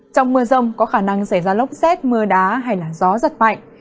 trong mưa rông có khả năng xảy ra lốc rét mưa đá hay là gió giật mạnh